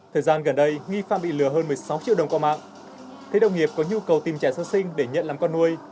thời gian gần đây nghi phạm bị lừa hơn một mươi sáu triệu đồng qua mạng thấy đồng nghiệp có nhu cầu tìm trẻ sơ sinh để nhận làm con nuôi